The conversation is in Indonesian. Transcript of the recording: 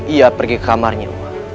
ia pergi ke kamarnya